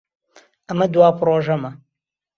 ئەمە دوا پرۆژەمە.